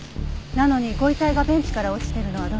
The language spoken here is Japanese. なのにご遺体がベンチから落ちてるのはどうして？